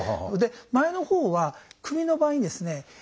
それで前のほうは首の場合にですね